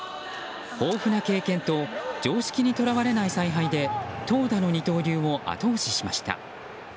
豊富な経験と常識にとらわれない采配で投打の二刀流を後押ししました。